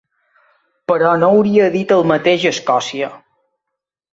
Però no hauria dit el mateix a Escòcia.